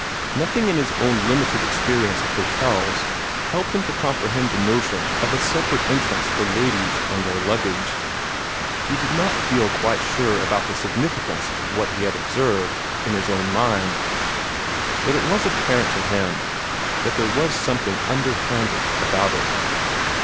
Nothing in his own limited experience of hotels helped him to comprehend the notion of a separate entrance for ladies and their luggage. He did not feel quite sure about the significance of what he had observed, in his own mind. But it was apparent to him that there was something underhanded about it.